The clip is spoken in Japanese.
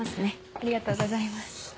ありがとうございます。